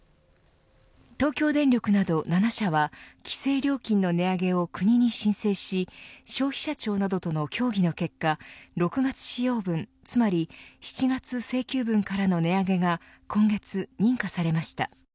東京電力など７社は規制料金の値上げを国に申請し消費者庁などとの協議の結果６月使用分、つまり７月請求分からの値上げが今月認可されました。